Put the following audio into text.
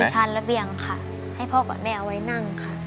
ชานระเบียงค่ะให้พ่อกับแม่เอาไว้นั่งค่ะ